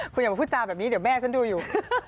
คุณอย่ามาพูดจาแบบนี้เดี๋ยวแม่ฉันดูอยู่